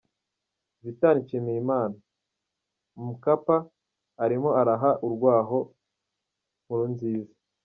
Vital Nshimiyimana, "Mkapa arimo araha urwaho Nkurunziza".